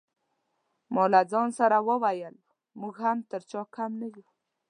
ما له ځان سره وویل موږ هم تر چا کم نه یو.